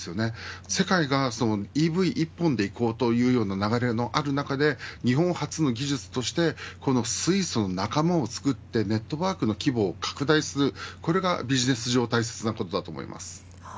世界がＥＶ一本でいこうという流れのある中で日本発の技術としてこの水素の仲間を作ってネットワークの規模を拡大する、これがビジネス上、大切なことです。